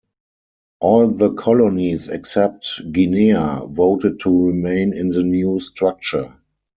All the colonies except Guinea voted to remain in the new structure.